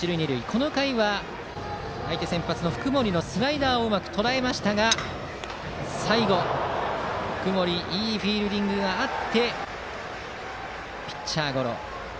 この回は、相手先発福盛のスライダーをうまくとらえましたが最後、福盛のいいフィールディングがあってピッチャーゴロ。